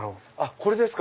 これですか？